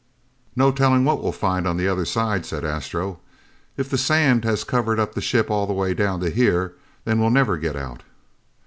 "No telling what we'll find on the other side," said Astro. "If the sand has covered up the ship all the way down to here, then we'll never get out!"